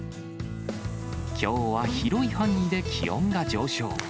きょうは広い範囲で気温が上昇。